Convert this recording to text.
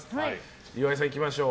岩井さん、いきましょう。